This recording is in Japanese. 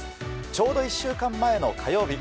ちょうど１週間前の火曜日